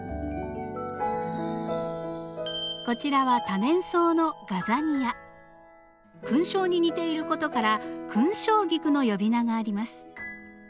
こちらは勲章に似ていることから勲章菊の呼び名があります。